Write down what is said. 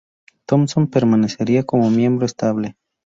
Thompson permanecería como miembro estable.